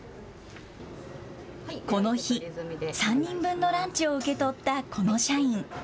この日、３人分のランチを受け取ったこの社員。